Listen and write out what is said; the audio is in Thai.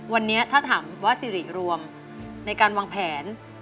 วันนี้ถ้าถามว่าสิริรวมในการวางแผน